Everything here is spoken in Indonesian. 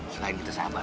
selain kita sabar